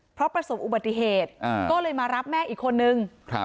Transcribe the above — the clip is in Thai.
เพราะประสบอุบัติเหตุก็เลยมารับแม่อีกคนนึง